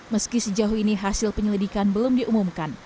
meski sejauh ini hasil penyelidikan belum diumumkan